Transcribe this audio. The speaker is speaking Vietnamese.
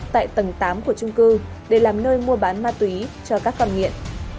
tại tầng tám của trung cư để làm nơi mua bán ma túy cho các con nghiện